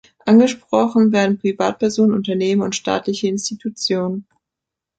Angesprochen werden Privatpersonen, Unternehmen und staatliche Institutionen.